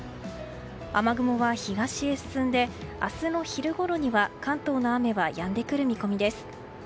雨雲は東へ進んで明日の昼ごろには関東の雨はやんでくる見込みです。